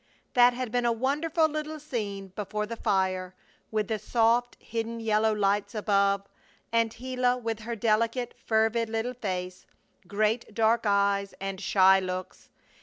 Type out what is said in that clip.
That had been a wonderful little scene before the fire, with the soft, hidden yellow lights above, and Gila with her delicate, fervid little face, great, dark eyes, and shy looks.